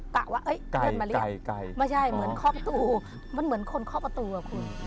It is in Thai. กะว่าเอ้ยเพื่อนมาเรียกไม่ใช่เหมือนเข้าประตูมันเหมือนคนเข้าประตูอ่ะคุณ